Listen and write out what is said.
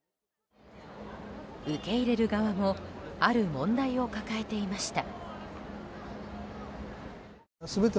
受け入れる側もある問題を抱えていました。